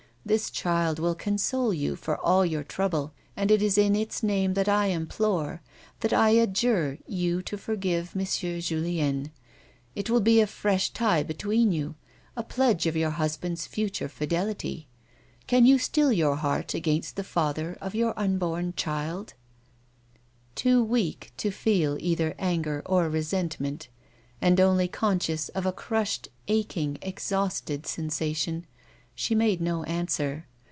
This child will console you for all your trouble and it is in its name that I implore, that I adj ure, you to forgive M. Julien, It will be a fresh tie between you, a pledge of your husband's future fidelity. Can you steel your heart against the father of your unborn child 1 " Too weak to feel either anger or resentment, and only conscious of a crushed, aching, exhausted sensation, she made no answer.